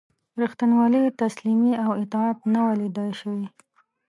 ریښتینولي، تسلیمي او اطاعت نه وه لیده شوي.